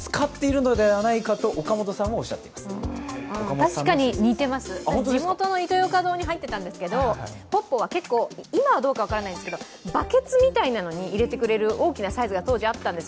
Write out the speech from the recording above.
確かに似ています、地元のイトーヨーカドーに入っていたんですけどポッポは、今はどうかわからないんですが、バケツみたいなのに入れてくれる大きなサイズが当時あったんです。